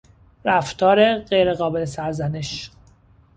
رفتار غیرقابل سرزنش